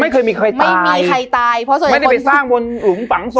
ไม่เคยมีใครตายไม่มีใครตายเพราะตัวเองไม่ได้ไปสร้างบนหลุมฝังศพ